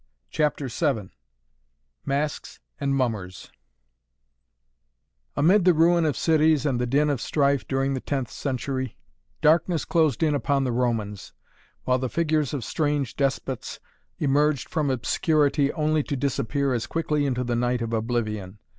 CHAPTER VII MASKS AND MUMMERS Amid the ruin of cities and the din of strife during the tenth century darkness closed in upon the Romans, while the figures of strange despots emerged from obscurity only to disappear as quickly into the night of oblivion.